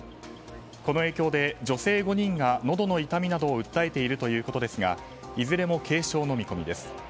この影響で女性５人がのどの痛みなどを訴えているということですがいずれも軽症の見込みです。